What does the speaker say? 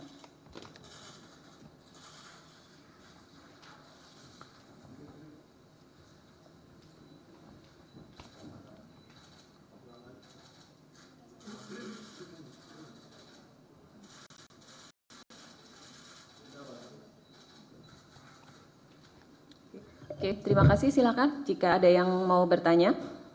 oke terima kasih silakan jika ada yang mau bertanya